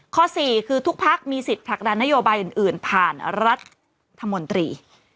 ข้อสี่คือทุกภาคมีสิทธิพลักษณะนโยบายอื่นผ่านรัฐมนตรี